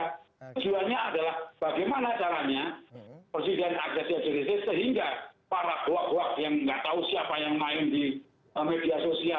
tujuannya adalah bagaimana caranya presiden aksesiris sehingga para goa goak yang nggak tahu siapa yang main di media sosial